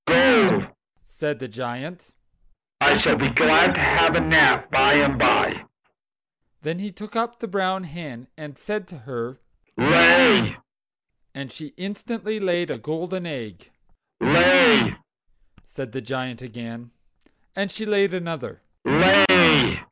"Go, said the Giant; "I shall be glad to have a nap by and by." Then he took up the brown hen and said to her: "Lay!" And she instantly laid a golden egg. "Lay!" said the Giant again. And she laid another.